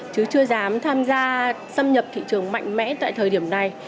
chứ chưa dám tham gia xâm nhập thị trường mạnh mẽ tại thời điểm này